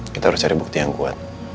kita harus cari bukti yang kuat